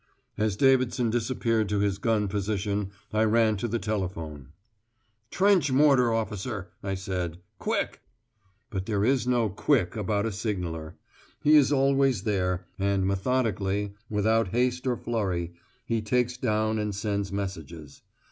As Davidson disappeared to his gun position, I ran to the telephone. "Trench mortar officer," I said. "Quick!" But there is no "quick" about a signaller. He is always there, and methodically, without haste or flurry, he takes down and sends messages.